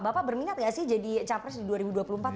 bapak berminat gak sih jadi capres di dua ribu dua puluh empat